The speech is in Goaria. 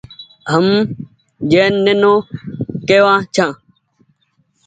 هم جين نينو ڪوآن ڇآن